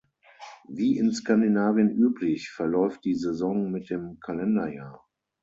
Wie in Skandinavien üblich verläuft die Saison mit dem Kalenderjahr.